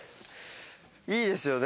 いいですよね。